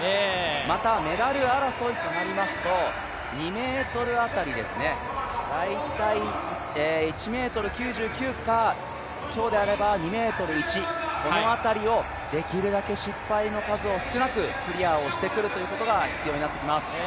またメダル争いとなりますと２ｍ辺りですね、大体１ｍ９９か、今日であれば２ｍ０１、この辺りをできるだけ失敗の数を少なくクリアをしてくることが必要になります。